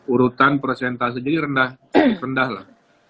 urutan prosentase jadi rendah